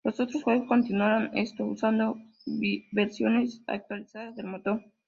Los otros juegos continuaron esto, usando versiones actualizadas del motor.